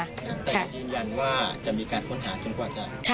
แต่ยืนยันว่าจะมีการค้นหาจนกว่าจะ